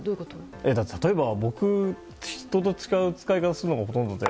例えば僕、人と違った使い方をするのがほとんどで。